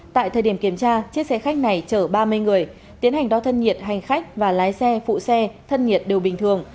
tại thời điểm kiểm tra chiếc xe khách này chở ba mươi người tiến hành đo thân nhiệt hành khách và lái xe phụ xe thân nhiệt đều bình thường